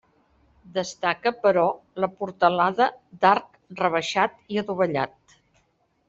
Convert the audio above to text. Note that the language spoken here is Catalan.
Destaca, però, la portalada d'arc rebaixat i adovellat.